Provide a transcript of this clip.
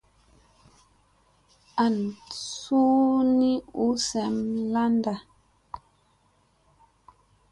An suu ni u sem landa.